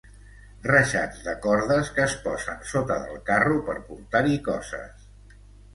Reixats de cordes que es posen sota del carro per portar-hi coses.